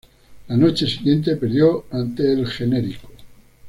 La noche siguiente, perdió ante El Generico.